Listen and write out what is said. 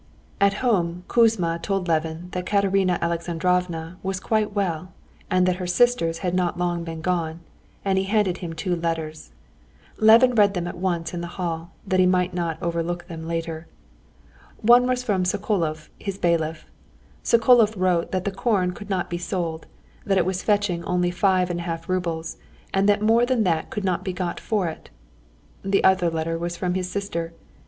At home Kouzma told Levin that Katerina Alexandrovna was quite well, and that her sisters had not long been gone, and he handed him two letters. Levin read them at once in the hall, that he might not overlook them later. One was from Sokolov, his bailiff. Sokolov wrote that the corn could not be sold, that it was fetching only five and a half roubles, and that more than that could not be got for it. The other letter was from his sister.